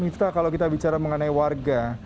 mifta kalau kita bicara mengenai warga